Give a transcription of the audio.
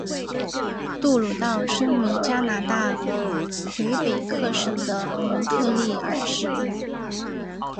杜鲁道生于加拿大魁北克省的蒙特利尔市。